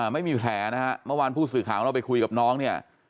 ไม่มีแผลนะฮะเมื่อวานผู้สื่อข่าวของเราไปคุยกับน้องเนี่ย